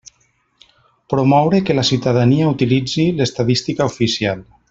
Promoure que la ciutadania utilitzi l'estadística oficial.